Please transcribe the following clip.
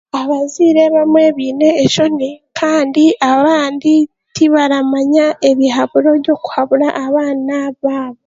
Abazaire bamwe baine enshoni kandi abandi tibaramanya ebihaburo by'okuhabura abaana baabo